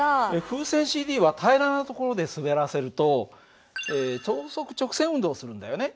風船ＣＤは平らなところで滑らせると等速直線運動をするんだよね。